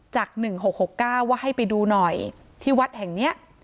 จาก๑๖๖๙ว่าให้ไปดูหน่อยที่วัดแห่งนี้